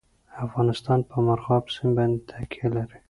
افغانستان په مورغاب سیند باندې تکیه لري.